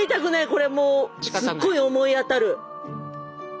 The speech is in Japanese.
これもうすっごい思い当たる。